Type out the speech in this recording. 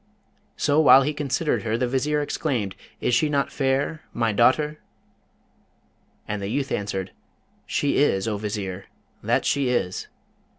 So, while he considered her, the Vizier exclaimed, 'Is she not fair my daughter?' And the youth answered, 'She is, O Vizier, that she is!'